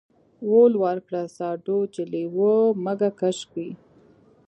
ول ورکه ساډو چې لېوه مږه کش کي.